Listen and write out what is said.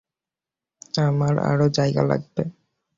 আমার আরো জায়গা লাগবে।